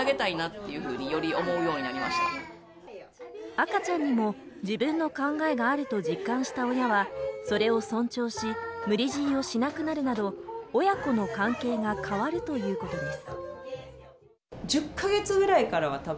赤ちゃんにも自分の考えがあると実感した親は、それを尊重し、無理強いをしなくなるなど、親子の関係が変わるということです。